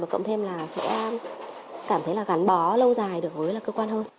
cộng thêm là sẽ cảm thấy là gắn bó lâu dài được với cơ quan hơn